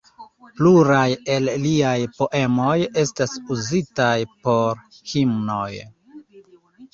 Pluraj el liaj poemoj estas uzitaj por himnoj.